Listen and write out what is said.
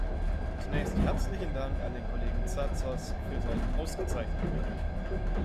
Zunächst herzlichen Dank an den Kollegen Tsatsos für seinen ausgezeichneten Bericht.